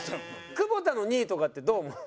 久保田の２位とかってどう思う？